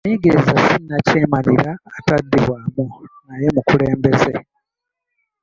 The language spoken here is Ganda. Omuyigiriza ssi Nnakyemalira ataddibwamu, naye mukulembeze.